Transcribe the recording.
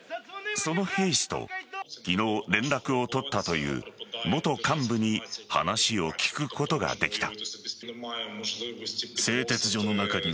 その兵士と昨日、連絡を取ったという元幹部に話を聞くことができた。